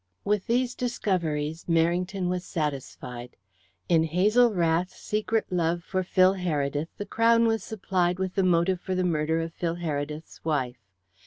With these discoveries Merrington was satisfied. In Hazel Rath's secret love for Phil Heredith the Crown was supplied with the motive for the murder of Phil Heredith's wife.